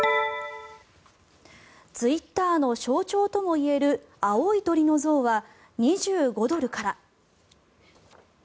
ツイッターの象徴ともいえる青い鳥の像は２５ドルから。